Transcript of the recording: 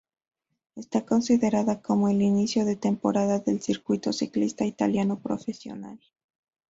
Está considerada como el inicio de temporada del circuito ciclista italiano profesional.